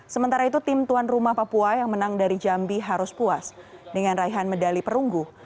sementara itu tim tuan rumah papua yang menang dari jambi harus puas dengan raihan medali perunggu